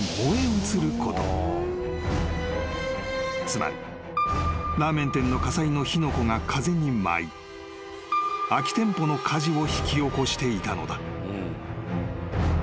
［つまりラーメン店の火災の火の粉が風に舞い空き店舗の火事を引き起こしていたのだ］